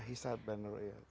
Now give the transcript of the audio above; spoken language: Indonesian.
iya hisab dan rukyat